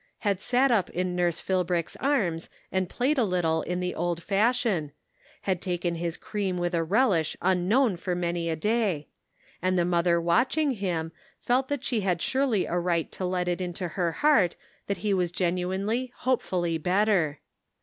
had sat up in nurse Phil brick's arms and played a little in the old fashion, had taken his cream with a relish un known for many a day ; and the mother watch ing him, felt that she had surely a right to let it into her heart that he was genuinely, hope fully better.